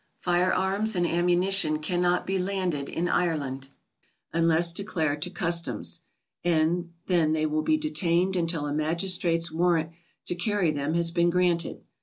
Fire arms and ammunition cannot be landed in Ire land unless declared to customs, and then they will be de tained until a magistrate's warrant to carry them has been granted.